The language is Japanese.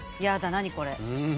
何これ。